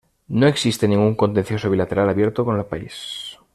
No existe ningún contencioso bilateral abierto con el país.